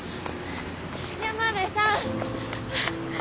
山辺さん。